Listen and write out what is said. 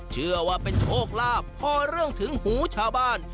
เชื่อว่าเป็นโชคลาภพอเรื่องถึงหูชาวบ้าน